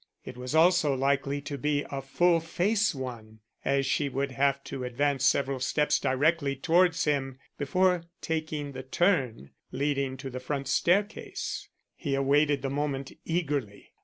It was also likely to be a full face one, as she would have to advance several steps directly towards him before taking the turn leading to the front staircase. He awaited the moment eagerly.